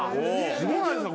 すごないですか？